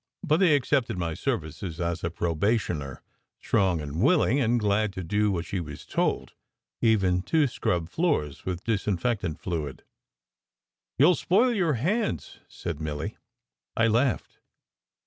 But they accepted my services as a probationer, strong and willing, and glad to do what she was told, even to scrub floors with disinfectant fluid. "You ll spoil you hands," said Milly. I laughed.